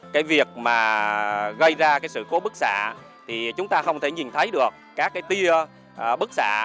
cái việc mà gây ra cái sự cố bức xạ thì chúng ta không thể nhìn thấy được các cái tia bức xạ